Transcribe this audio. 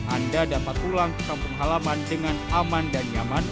anda dapat pulang ke kampung halaman dengan aman dan nyaman